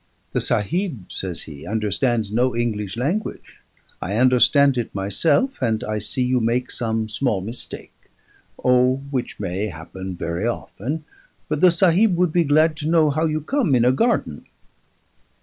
"The Sahib," says he, "understands no English language. I understand it myself, and I see you make some small mistake O! which may happen very often. But the Sahib would be glad to know how you come in a garden?"